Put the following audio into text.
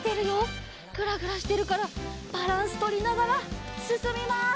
グラグラしてるからバランスとりながらすすみます。